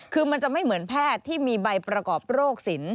คือมันจะไม่เหมือนแพทย์ที่มีใบประกอบโรคสิน